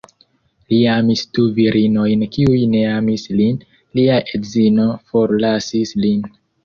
Li amis du virinojn kiuj ne amis lin; lia edzino forlasis lin.